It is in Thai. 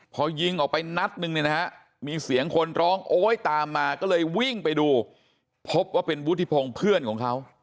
พอยิงออกไปนัดนึงเนี่ยนะฮะมีเสียงคนร้องโอ๊ยตามมาก็เลยวิ่งไปดูพบว่าเป็นวุฒิพงศ์เพื่อนของเขา